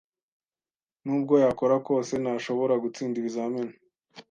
Nubwo yakora kose, ntashobora gutsinda ibizamini